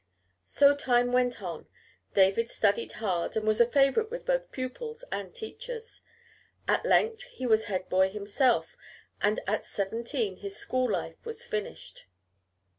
So time went on. David studied hard and was a favorite with both pupils and teachers. At length he was head boy himself, and at seventeen his school life was finished.